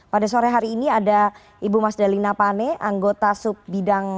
pada sore hari ini ada ibu mas dalina pane anggota sub bidang